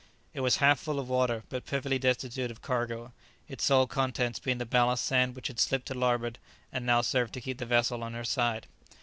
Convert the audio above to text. It was half full of water, but perfectly destitute of cargo, its sole contents being the ballast sand which had slipped to larboard, and now served to keep the vessel on her side.